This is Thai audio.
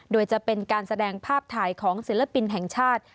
โดยจะเป็นการแสดงภาพถ่ายของศิลปินแห่งชาติ